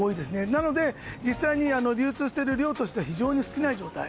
なので、実際に流通している量としては非常に少ない状態。